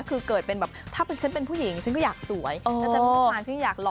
คือเกิดเป็นแบบถ้าฉันเป็นผู้หญิงฉันก็อยากสวยถ้าฉันเป็นผู้ชายฉันอยากหล